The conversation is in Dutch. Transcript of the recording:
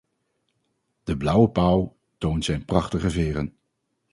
De blauwe pauw toont zijn prachtige veren.